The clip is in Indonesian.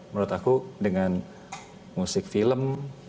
menurut aku dengan musik film musik perjuangan